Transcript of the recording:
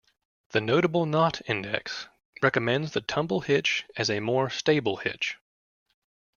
The Notable Knot Index recommends the tumble hitch as a more stable hitch.